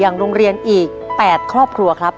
อย่างโรงเรียนอีกแปดครอบครัวครับ